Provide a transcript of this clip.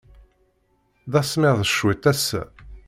D asemmiḍ cwiṭ ass-a.